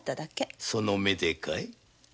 その目でかい？